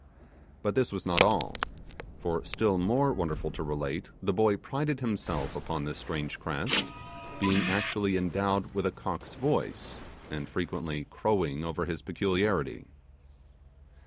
But this was not all; for still more wonderful to relate, the boy prided himself upon his strange crest, being actually endowed with a cock's voice, and frequently crowing over his peculiarity.